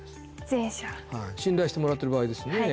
前者信頼してもらってる場合ですね